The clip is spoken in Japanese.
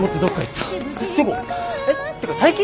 ってか大金？